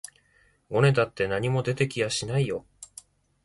ごねたって何も出て来やしないよ